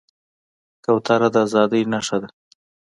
کوتره د ازادۍ نښه ده.